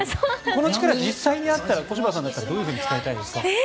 この力実際にあったら小芝さんだったらどうやって使いたいですか？